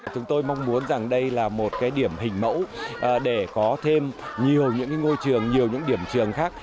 chúng tôi mong muốn rằng đây là một điểm hình mẫu để có thêm nhiều những ngôi trường nhiều những điểm trường khác